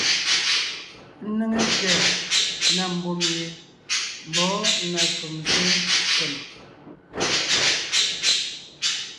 Ńnéŋe tẅɛ̀ na mbùm ye mbɔ̌ na shúm sé ntsèm.